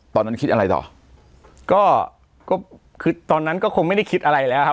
ตอนนั้นคิดอะไรต่อก็คือตอนนั้นก็คงไม่ได้คิดอะไรแล้วครับ